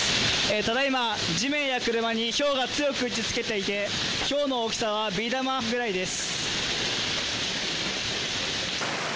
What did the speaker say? ただいま地面や車にひょうが強く打ちつけていてひょうの大きさはビー玉ぐらいです。